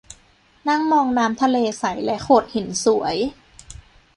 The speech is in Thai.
นั่งมองน้ำทะเลใสและโขดหินสวย